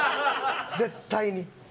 絶対に。